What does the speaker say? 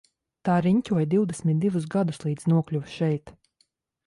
Tā riņķoja divdesmit divus gadus līdz nokļuva šeit.